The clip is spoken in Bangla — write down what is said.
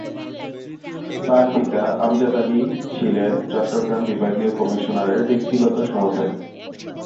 তার পিতা আমজাদ আলী ছিলেন চট্টগ্রাম বিভাগীয় কমিশনারের ব্যক্তিগত সহকারী।